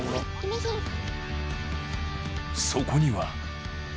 そこには。